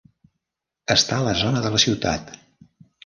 Està a la zona de la ciutat.